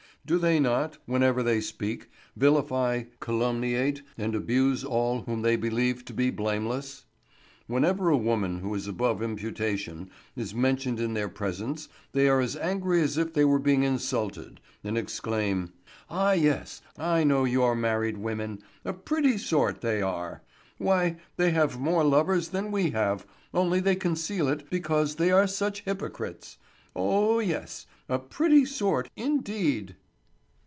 Do they not, whenever they speak, vilify, calumniate, and abuse all whom they believe to be blameless? Whenever a woman who is above imputation is mentioned in their presence, they are as angry as if they were being insulted, and exclaim: "Ah, yes, I know your married women; a pretty sort they are! Why, they have more lovers than we have, only they conceal it because they are such hypocrites. Oh, yes, a pretty sort, indeed!"